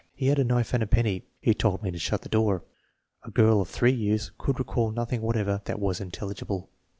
He had a knife and a penny. He told me to shut the door." A girl of 3 years could recall nothing whatever that was intelligible.